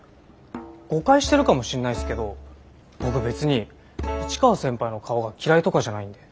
誤解してるかもしんないすけど僕別に市川先輩の顔が嫌いとかじゃないんで。